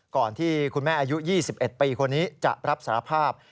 ก่อนที่คุณแม่อายุ๒๑ปีคนนี้จะรับสารภาพ